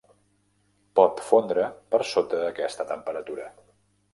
Pot fondre per sota aquesta temperatura.